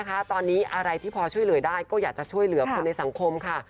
ตอนนี้อะไรที่พอช่วยเหลือได้ก็อยากจะช่วยเหลือคนในสังคมค่ะ